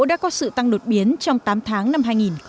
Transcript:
đã có sự tăng đột biến trong tám tháng năm hai nghìn một mươi chín